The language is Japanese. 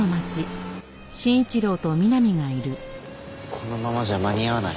このままじゃ間に合わない。